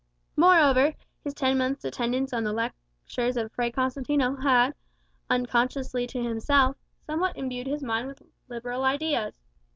Moreover, his ten months' attendance on the lectures of Fray Constantino had, unconsciously to himself, somewhat imbued his mind with liberal ideas.